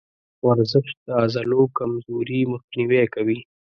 ورزش د عضلو کمزوري مخنیوی کوي.